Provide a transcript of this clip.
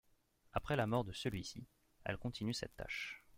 Après la mort de celui-ci elle continue cette tâche.